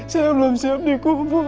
saya belum siap dikubur